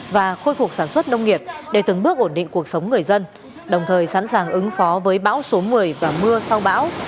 và khôi phục sản xuất nông nghiệp để từng bước ổn định cuộc sống người dân đồng thời sẵn sàng ứng phó với bão số một mươi và mưa sau bão